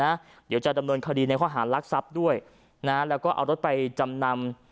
เดี๋ยวจะดำเนินคดีในข้อหารลักทรัพย์ด้วยนะแล้วก็เอารถไปจำนำ